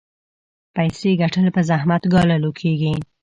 پيسې ګټل په زحمت ګاللو کېږي.